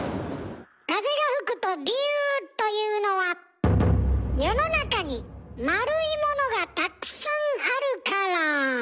風が吹くと「ビュー」というのは世の中に丸いものがたくさんあるから。